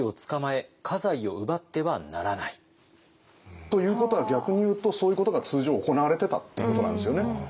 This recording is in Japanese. あとということは逆に言うとそういうことが通常行われてたってことなんですよね。